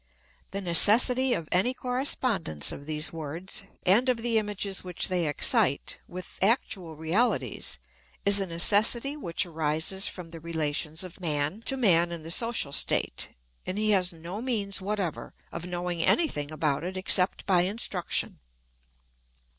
The necessity of any correspondence of these words, and of the images which they excite, with actual realities, is a necessity which arises from the relations of man to man in the social state, and he has no means whatever of knowing any thing about it except by instruction.